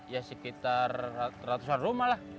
ya sekitar ratusan rumah lah